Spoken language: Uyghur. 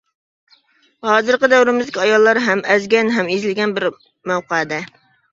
ھازىرقى دەۋرىمىزدىكى ئاياللار ھەم ئەزگەن ھەم ئېزىلگەن بىر مەۋقەدە.